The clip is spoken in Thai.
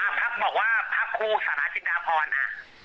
พกกูบอกว่าพกครูสัญลักษณภรณ์อะ